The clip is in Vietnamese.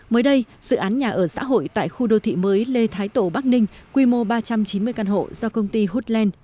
mới đây dự án nhà ở xã hội tại khu đô thị mới lê thái tổ bắc ninh quy mô ba trăm chín mươi căn hộ do công ty hoodland